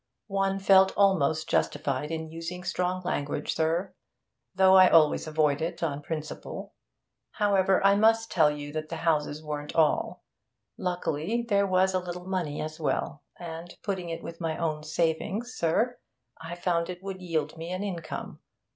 'One felt almost justified in using strong language, sir though I always avoid it on principle. However, I must tell you that the houses weren't all. Luckily there was a little money as well, and, putting it with my own savings, sir, I found it would yield me an income.